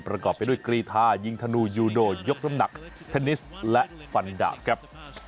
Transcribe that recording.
ประกอบไปด้วยกรีทายิงธนูยูโดยยกน้ำหนักเทนนิสและฟันดาบครับ